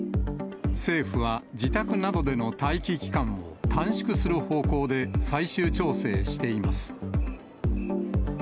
政府は自宅などでの待機期間を短縮する方向で最終調整しています。